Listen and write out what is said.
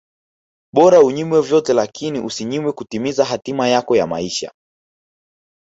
Bora ujinyime vyote lakini usijinyime kutimiza hatima yako ya maisha